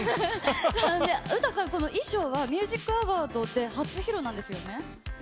ウタさん、この衣装は、ミュージックアワードで初披露なんですよね。